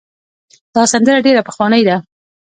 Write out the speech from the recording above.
دا سندره ډېره پخوانۍ ده.